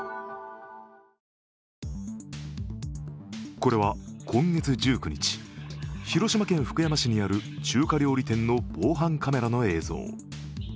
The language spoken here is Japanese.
これは今月１９日、広島県福山市にある中華料理店の防犯カメラの映像。